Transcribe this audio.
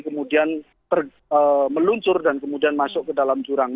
kemudian meluncur dan kemudian masuk ke dalam jurang